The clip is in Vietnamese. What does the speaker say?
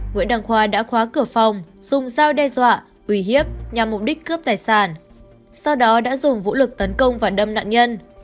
nguyễn đăng khoa đã khóa cửa phòng dùng dao đe dọa uy hiếp nhằm mục đích cướp tài sản sau đó đã dùng vũ lực tấn công và đâm nạn nhân